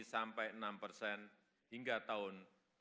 sampai enam persen hingga tahun dua ribu lima puluh